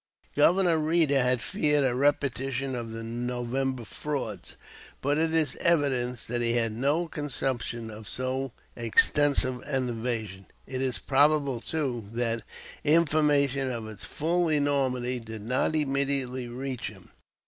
Governor Reeder had feared a repetition of the November frauds; but it is evident that he had no conception of so extensive an invasion. It is probable, too, that information of its full enormity did not immediately reach him.